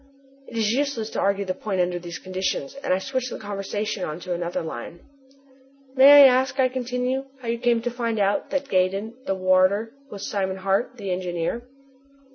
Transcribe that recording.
'" It is useless to argue the point under these conditions, and I switch the conversation on to another line. "May I ask," I continue, "how you came to find out that Gaydon, the warder, was Simon Hart, the engineer?"